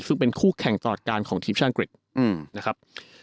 ซึ่งเป็นคู่แข่งตอบการของทีมชาติเยอรมนีอืมนะครับ